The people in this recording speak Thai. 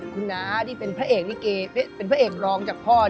คุณน้าที่เป็นพระเอกลองจากพ่อ